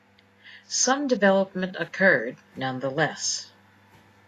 Some development occurred nonetheless.